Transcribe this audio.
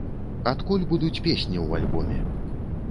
Адкуль будуць песні ў альбоме?